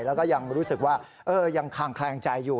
แล้วก็ยังรู้สึกว่ายังคางแคลงใจอยู่